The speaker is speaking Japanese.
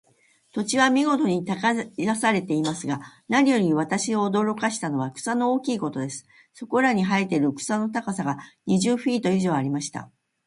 土地は見事に耕されていますが、何より私を驚かしたのは、草の大きいことです。そこらに生えている草の高さが、二十フィート以上ありました。